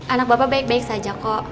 anak bapak baik baik saja kok